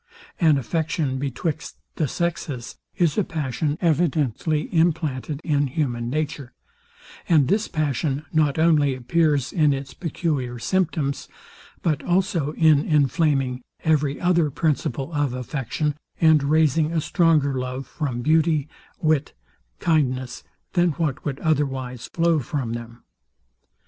An affection betwixt the sexes is a passion evidently implanted in human nature; and this passion not only appears in its peculiar symptoms, but also in inflaming every other principle of affection, and raising a stronger love from beauty, wit, kindness, than what would otherwise flow from them.